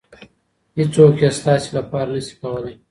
هېڅوک یې ستاسې لپاره نشي کولی.